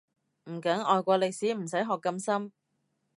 唔緊，外國歷史唔使學咁深